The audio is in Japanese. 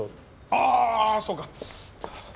ああそうか！